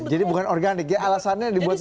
jadi bukan organik ya alasannya dibuat buat